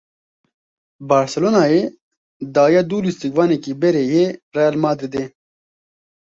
Barcelonayê daye dû lîstikvanekî berê yê Real Madridê.